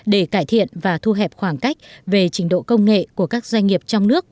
để cải thiện và thu hẹp khoảng cách về trình độ công nghệ của các doanh nghiệp trong nước